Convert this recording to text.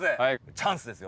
チャンスですよ。